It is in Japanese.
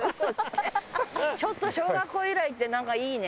ちょっと小学校以来でなんかいいね。